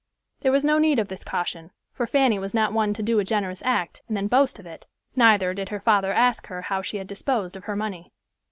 There was no need of this caution, for Fanny was not one to do a generous act, and then boast of it, neither did her father ask her how she had disposed of her money.